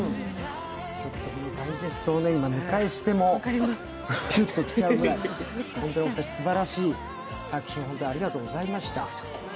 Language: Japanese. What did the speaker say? ダイジェストを見返してもキュッときちゃうくらい、本当にすばらしい作品、ありがとうございました。